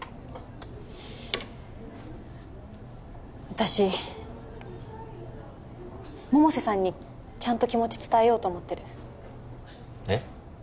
私百瀬さんにちゃんと気持ち伝えようと思ってるえっ？